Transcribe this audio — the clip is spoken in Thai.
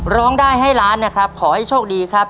ร้องได้ให้ล้านนะครับขอให้โชคดีครับ